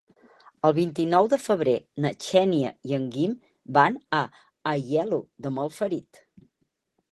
El vint-i-nou de febrer na Xènia i en Guim van a Aielo de Malferit.